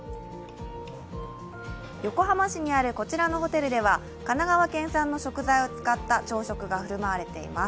横浜市にあるこちらのホテルでは神奈川県産の食材を使った朝食が振る舞われています。